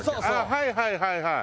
はいはいはいはい。